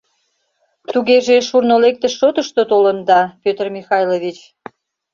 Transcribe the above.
— Тугеже шурно лектыш шотышто толында, Петр Михайлович?